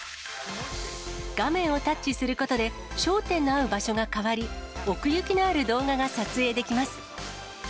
画面をタッチすることで焦点の合う場所が変わり、奥行きのある動画が撮影できます。